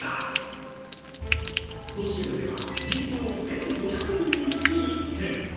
都市部では人口１５００人につき１軒。